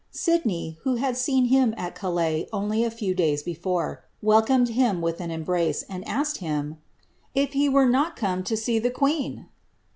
Sidney, who had seen him at Calais aolr a few days before, welcomed him with an embrace, and naked bim^B he were not coim to see the queen